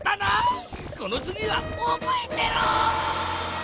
このつぎはおぼえてろ！